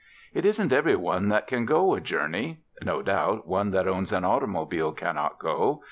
It isn't every one that can go a journey. No doubt one that owns an automobile cannot go.